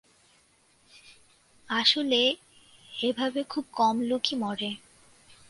আসলে, এভাবে তো খুব কম লোকই মরে।